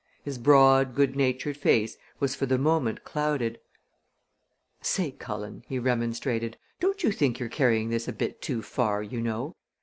His broad, good natured face was for the moment clouded. "Say, Cullen," he remonstrated, "don't you think you're carrying this a bit too far, you know?